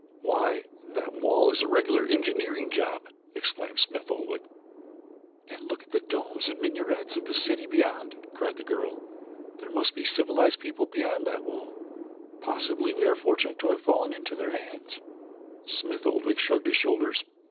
"Why, that wall is a regular engineering job," exclaimed Smith Oldwick. "And look at the domes and minarets of the city beyond," cried the girl. "There must be a civilized people beyond that wall. Possibly we are fortunate to have fallen into their hands." Smith Oldwick shrugged his shoulders.